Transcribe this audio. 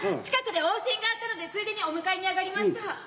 近くで往診があったのでついでにお迎えに上がりました。